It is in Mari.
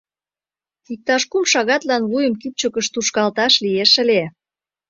Иктаж кум шагатлан вуйым кӱпчыкыш тушкалташ лиеш ыле.